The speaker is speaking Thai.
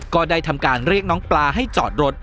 ก็ได้ทำการเรียกน้องปลาให้จอดรถ